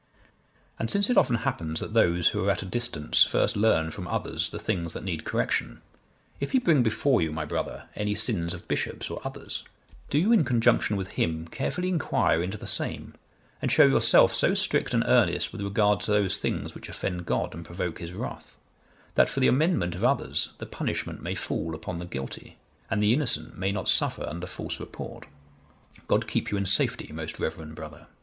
And, since it often happens that those who are at a distance first learn from others the things that need correction, if he bring before you, my brother, any sins of bishops or others, do you, in conjunction with him, carefully inquire into the same, and show yourself so strict and earnest with regard to those things which offend God and provoke His wrath, that for the amendment of others, the punishment may fall upon the guilty, and the innocent may not suffer under false report. God keep you in safety, most reverend brother.